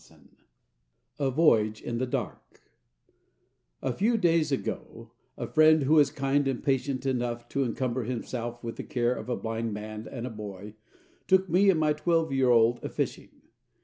XXVI A VOYAGE IN THE DARK A few days ago, a friend who is kind and patient enough to encumber himself with the care of a blind man and a boy took me and my twelve year old a fishing.